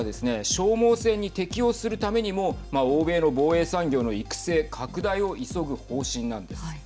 消耗戦に適応するためにも欧米の防衛産業育成拡大を急ぐ方針なんです。